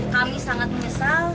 kami sangat menyesal